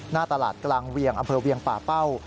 หน้าตลาดกลางเวียงอำเภอเวียงป่าเป้า